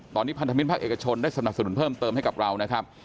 ตอนนี้พันธมิตรภาคเอกชนได้สนับสนุนเพิ่มเติมให้กับเรานะครับ